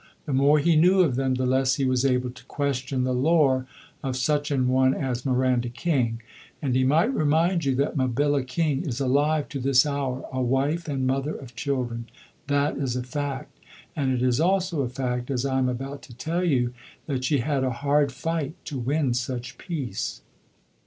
The more he knew of them, the less he was able to question the lore of such an one as Miranda King. And he might remind you that Mabilla King is alive to this hour, a wife and mother of children. That is a fact, and it is also a fact, as I am about to tell you, that she had a hard fight to win such peace.